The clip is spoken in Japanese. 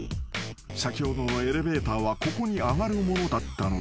［先ほどのエレベーターはここに上がるものだったのだ］